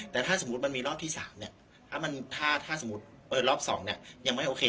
แต่ถ้าสมมุติมันมีรอบที่๓เนี่ยถ้าสมมุติรอบ๒เนี่ยยังไม่โอเค